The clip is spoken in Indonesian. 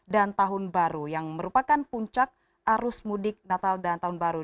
dan tahun baru yang merupakan puncak arus mudik natal dan tahun baru